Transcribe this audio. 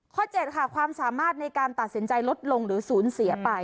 ข้อเจ็ดค่ะความสามารถในการตัดสินใจลดลงหรือสูญเสียไป